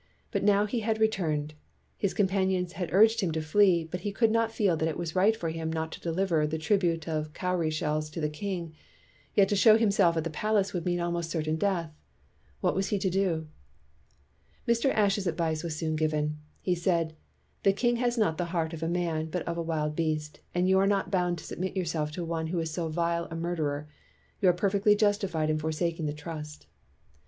But now he had returned. His companions had urged him to flee, but he could not feel that it was right for him not to deliver the tribute of cowry shells to the king; yet to show himself at the palace would mean almost certain death. What was he to do? 244 STURDY BLACK CHRISTIANS Mr. Ashe's advice was soon given. He said, '' The king has not the heart of a man, but of a wild beast, and you are not bound to submit yourself to one who is so vile a murderer. You are perfectly justified in forsaking the trust."